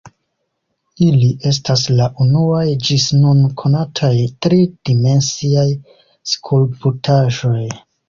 Ili estas la unuaj ĝis nun konataj tri-dimensiaj skulptaĵoj.